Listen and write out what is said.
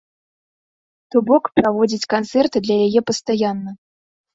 То бок, праводзіць канцэрты для яе пастаянна.